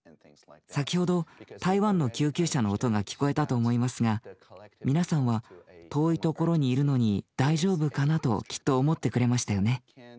先ほど台湾の救急車の音が聞こえたと思いますが皆さんは遠いところにいるのに「大丈夫かな？」ときっと思ってくれましたよね。